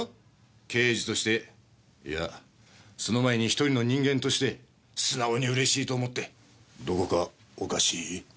刑事としていやその前に１人の人間として素直にうれしいと思ってどこかおかしい？